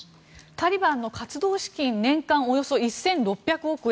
タリバンの活動資金年間およそ１６００億円